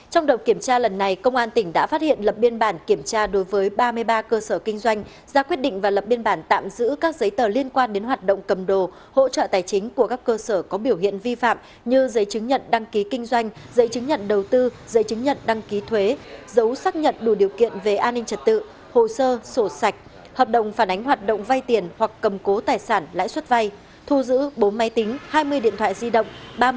trong đợt kiểm tra lần này công an tỉnh đã phát hiện lập biên bản kiểm tra đối với ba mươi ba cơ sở kinh doanh ra quyết định và lập biên bản tạm giữ các giấy tờ liên quan đến hoạt động cầm đồ hỗ trợ tài chính của các cơ sở có biểu hiện vi phạm như giấy chứng nhận đăng ký kinh doanh giấy chứng nhận đầu tư giấy chứng nhận đăng ký thuế giấu xác nhận đủ điều kiện về an ninh trật tự hồ sơ sổ sạch hợp đồng phản ánh hoạt động vay tiền hoặc cầm cố tài sản lãi suất vay thu giữ bốn máy tính hai mươi điện thoại di động ba mươi